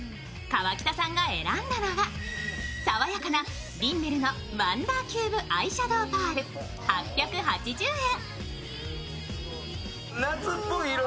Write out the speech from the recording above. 河北さんが選んだのは爽やかなリンメルのワンダーキューブアイシャドウパール８８０円。